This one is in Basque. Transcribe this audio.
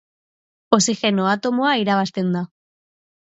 Oxigeno atomoa irabazten da.